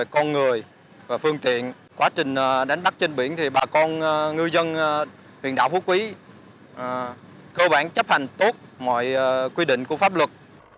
cơ bản chấp hành tốt mọi quy định của pháp luật